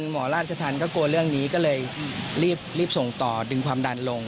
ใช้สิทธิพิเศษใช่ไหม